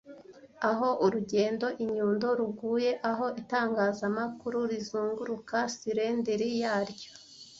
Aho urugendo-inyundo ruguye, aho itangazamakuru rizunguruka silinderi yaryo,